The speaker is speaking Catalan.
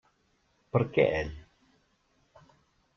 Per què ell?